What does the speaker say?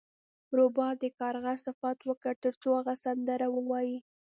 روباه د کارغه صفت وکړ ترڅو هغه سندره ووایي.